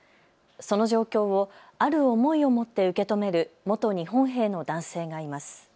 その状況をある思いを持って受け止める元日本兵の男性がいます。